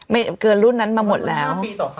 เกินรุ่นนั้นมาหมดแล้ว